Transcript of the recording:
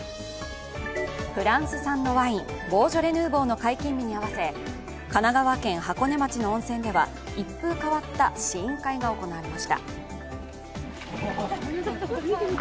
フランス産のワインボージョレ・ヌーボーの解禁日に合わせ神奈川県箱根町の温泉では一風変わった試飲会が行われました。